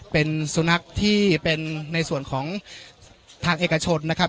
เป็นสุนัขที่เป็นในส่วนของทางเอกชนนะครับ